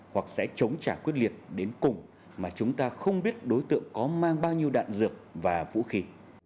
hoặc sẽ chống trả quyết liệt đến cùng mà chúng ta không biết đối tượng có mang bao nhiêu đạn dược và vũ khí